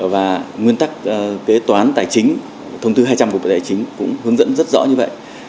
và nguyên tắc kế toán tài chính thông tư hai trăm linh của bộ tài chính cũng hướng dẫn rất rõ như vậy